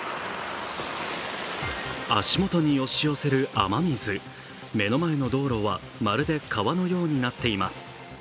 足元に押し寄せる雨水、目の前の道路はまるで川のようになっています。